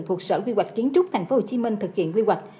thuộc sở quy hoạch kiến trúc tp hcm thực hiện quy hoạch